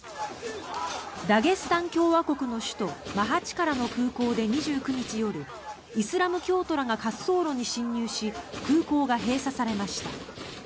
ダゲスタン共和国の首都マハチカラの空港で２９日夜イスラム教徒らが滑走路に侵入し空港が閉鎖されました。